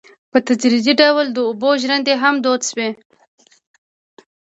په تدریجي ډول د اوبو ژرندې هم دود شوې.